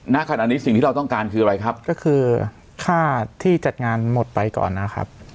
ณขณะนี้สิ่งที่เราต้องการคืออะไรครับก็คือค่าที่จัดงานหมดไปก่อนนะครับ